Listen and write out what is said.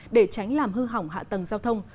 để tránh làm hư hỏng hạ tầng giao thông